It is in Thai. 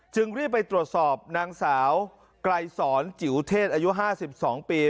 จึงรีบไปตรวจสอบนางสาวกลายสอนจิ๋วเทศอายุห้าสิบสองปี